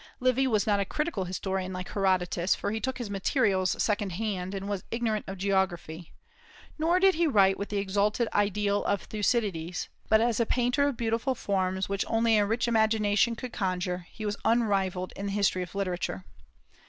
Livy was not a critical historian like Herodotus, for he took his materials second hand, and was ignorant of geography, nor did he write with the exalted ideal of Thucydides; but as a painter of beautiful forms, which only a rich imagination could conjure, he is unrivalled in the history of literature.